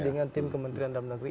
dengan tim kementerian dalam negeri